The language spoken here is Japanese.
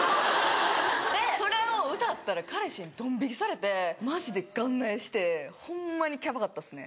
でそれを歌ったら彼氏にドン引きされてマジでガンなえしてホンマにキャパかったっすね。